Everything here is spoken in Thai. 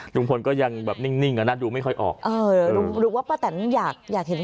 ดูงฝนก็ยังแบบนิ่งเหมือนหน้าดูไม่ค่อยออก